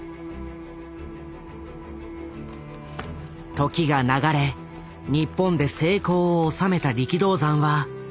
時が流れ日本で成功を収めた力道山はある人物と出会う。